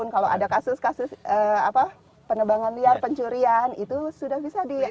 kalau ada kasus kasus penebangan liar pencurian itu sudah bisa di